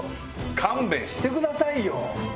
勘弁してくださいよ。